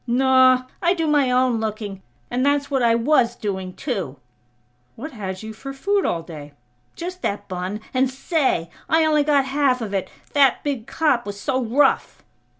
"Naw; I do my own looking. And that's what I was doing, too!" "What had you for food all day?" "Just that bun. And say!! I only got half of it! That big cop was so rough!"